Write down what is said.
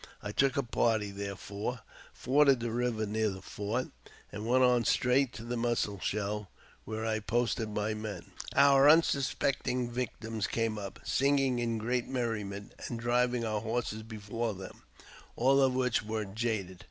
I took a party, therefore, forded the river near the fort, and went on straight to the Mussel Shell, where I posted my men. Our unsuspecting victims came up, singing in great merriment, and driving our horses before them, all of which were jaded.